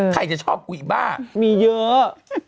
ใครจะชอบกุยบ้ามีเยอะ